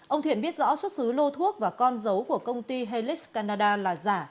ông thiện biết rõ xuất xứ lô thuốc và con dấu của công ty helix canada là giả